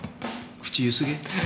口ゆすげ。